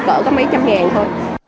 cỡ có mấy trăm ngàn thôi